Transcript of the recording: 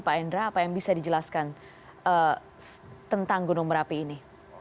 pak endra apa yang bisa dijelaskan tentang gunung merapi ini